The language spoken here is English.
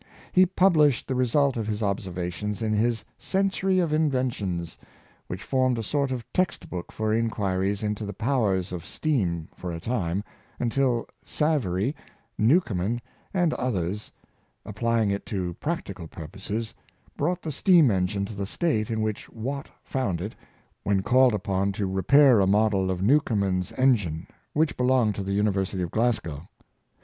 He published the result of his observations in his " Century of Inventions," which formed a sort of text book for inquiries into the powers of steam for a time, until Savary, Newcomen, and others, applying it to practical purposes, brought the steam engine to the state in which Watt found it when called upon to repair a model of Newcomen's en gine, which belonged to the University of Glasgow.